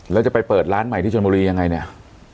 แล้วจะไปเปิดร้านใหม่ที่ชนบุรียังไงเนี่ย